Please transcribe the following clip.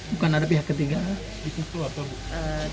bukan ada pihak ketiga dikutuk apa